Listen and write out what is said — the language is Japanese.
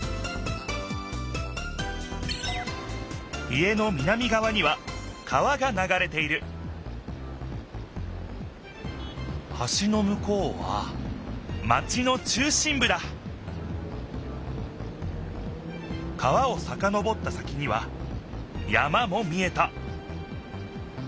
家の南がわには川がながれているはしのむこうはマチの中心ぶだ川をさかのぼった先には山も見えた